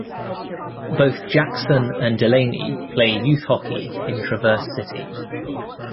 Both Jakson and Delaney play youth hockey in Traverse City.